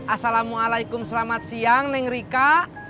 assalamualaikum selamat siang neng rika